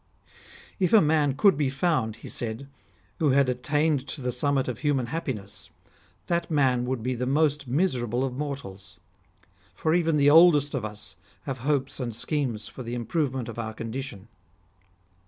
" If a man could be found," he said, "who had attained to the summit of human happiness, that man would be the most miserable of mortals. For even the oldest of us have hopes and schemes for the improvement of our condition."